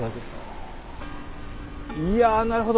いやなるほど。